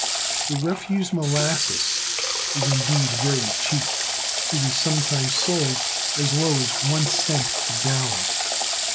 The refuse molasses is indeed very cheap ; it is sometimes sold as low as one cent a gallon.